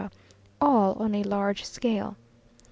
all on a large scale.